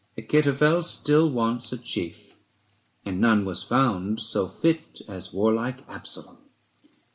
Achitophel still wants a chief, and none 220 Was found so fit as warlike Absalon.